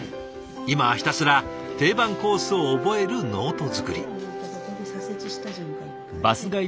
今はひたすら定番コースを覚えるノート作り。